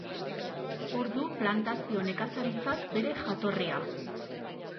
Hor du plantazio nekazaritzak bere jatorria.